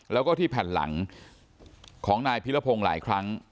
แล้วก็ที่แผ่นหลังของนายพิรพงศ์หลายครั้ง